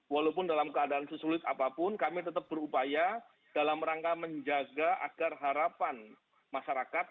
walaupun dalam keadaan sesulit apapun kami tetap berupaya dalam rangka menjaga agar harapan masyarakat